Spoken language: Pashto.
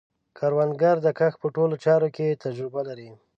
کروندګر د کښت په ټولو چارو کې تجربه لري